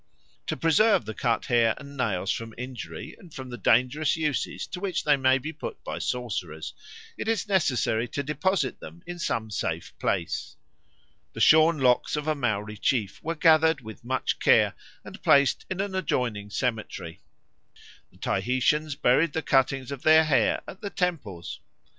To preserve the cut hair and nails from injury and from the dangerous uses to which they may be put by sorcerers, it is necessary to deposit them in some safe place. The shorn locks of a Maori chief were gathered with much care and placed in an adjoining cemetery. The Tahitians buried the cuttings of their hair at the temples.